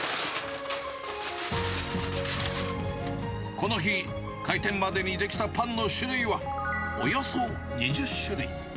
この日、開店までに出来たパンの種類はおよそ２０種類。